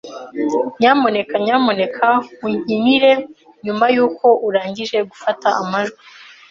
Nyamuneka nyamuneka unkinire nyuma yuko urangije gufata amajwi.